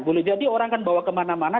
boleh jadi orang kan bawa kemana mana